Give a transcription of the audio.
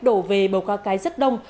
đổ về bầu ca cái rất đông